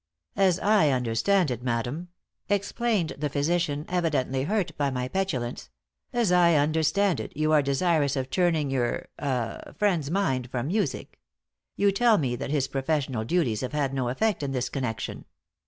"As I understand it, madam," explained the physician, evidently hurt by my petulance, "as I understand it, you are desirous of turning your ah friend's mind from music. You tell me that his professional duties have had no effect in this connection.